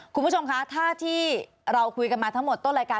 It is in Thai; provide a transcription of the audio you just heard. คุณผู้ชมคะถ้าที่เราคุยกันมาทั้งหมดต้นรายการ